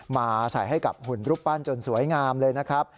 มาใส่ให้กับหุ่นรูปปั้นจนสวยงามเลยนะครับ